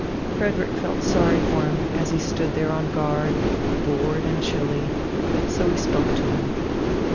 Frederick felt sorry for him as he stood there on guard, bored and chilly; so he spoke to him.